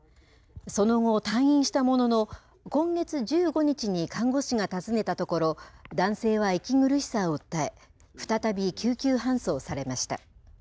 その後、退院したものの、今月１５日に看護師が訪ねたところ、男性は息苦しさを訴え、再び救急搬送されました。